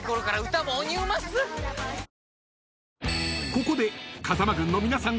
［ここで］